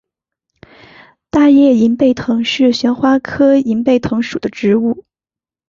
大叶银背藤是旋花科银背藤属的植物。